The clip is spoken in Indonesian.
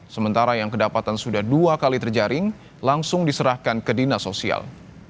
sementara yang kedapatan sudah dua kali terjaring langsung diserahkan ke dinas sosial